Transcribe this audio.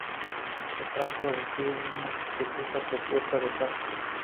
Los francos reciben unas sospechosas propuestas de paz.